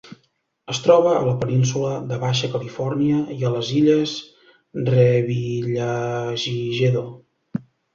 Es troba a la Península de Baixa Califòrnia i a les Illes Revillagigedo.